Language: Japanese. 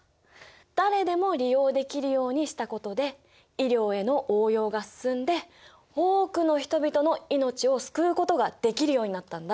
誰でも利用できるようにしたことで医療への応用が進んで多くの人々の命を救うことができるようになったんだ。